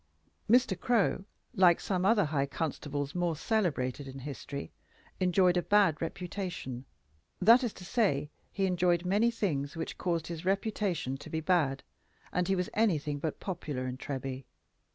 Mr. Crow, like some other high constables more celebrated in history, "enjoyed a bad reputation"; that is to say, he enjoyed many things which caused his reputation to be bad, and he was anything but popular in Treby.